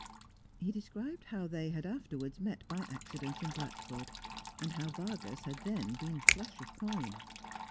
He described how they had after wards met by accident in Blackford, and how Vargas had then been flush of coin.